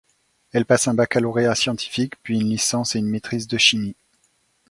Elle passe un baccalauréat scientifique, puis une licence et une maîtrise de chimie.